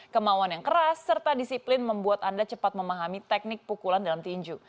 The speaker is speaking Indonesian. kemauan yang keras serta disiplin membuat anda cepat memahami teknik pukulan dalam tinju